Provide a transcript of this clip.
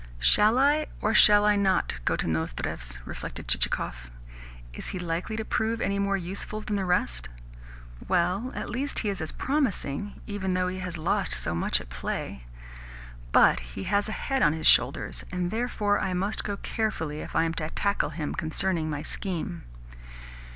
"Shall I, or shall I not, go to Nozdrev's?" reflected Chichikov. "Is he likely to prove any more useful than the rest? Well, at least he is as promising, even though he has lost so much at play. But he has a head on his shoulders, and therefore I must go carefully if I am to tackle him concerning my scheme."